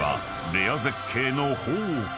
［レア絶景の宝庫